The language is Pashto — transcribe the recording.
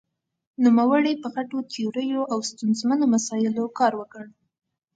نومړې په غټو تیوریو او ستونزمنو مسايلو کار وکړ.